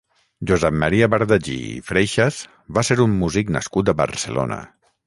Josep Maria Bardagí i Freixas va ser un músic nascut a Barcelona.